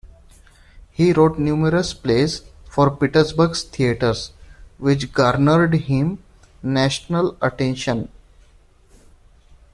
He wrote numerous plays for Pittsburgh's theatres which garnered him national attention.